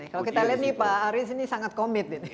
kalau kita lihat nih pak haris ini sangat komit